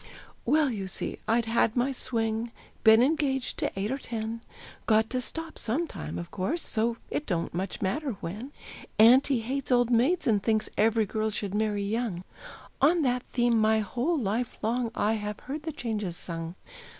Well, you see, I'd had my swing, Been engaged to eight or ten, Got to stop some time, of course, So it don't much matter when. Auntie hates old maids, and thinks Every girl should marry young On that theme my whole life long I have heard the changes sung.